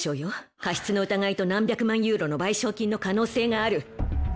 過失の疑いと何百万ユーロの賠償金の可能性がある。